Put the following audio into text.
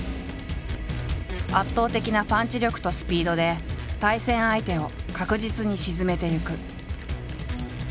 圧倒的なパンチ力とスピードで対戦相手を確実に沈めていく。